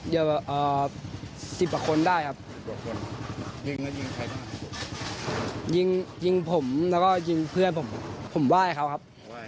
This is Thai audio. ยิงผมแล้วก็ยิงเพื่อนผมผมไหว้เขาครับ